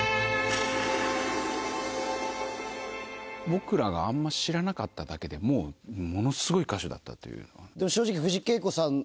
僕らがあんま知らなかっただけでもうものすごい歌手だったという。